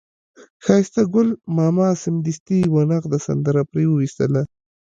ښایسته ګل ماما سمدستي یوه نغده سندره پرې وویستله.